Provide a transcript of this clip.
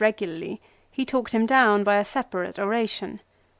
regularly he talked him down by a serarate oration.